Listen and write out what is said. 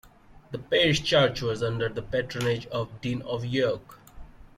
The parish church was under the patronage of the Dean of York.